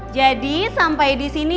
jadi sampai di sini